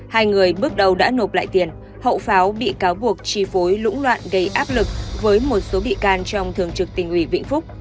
hai người bước đầu đã nộp lại tiền hậu pháo bị cáo buộc chi phối lũng loạn gây áp lực với một số bị can trong thường trực tỉnh ủy vĩnh phúc